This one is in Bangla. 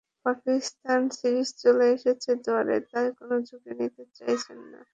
পাকিস্তান সিরিজ চলে এসেছে দুয়ারে, তাই কোনো ঝুঁকি নিতে চাইছেন না।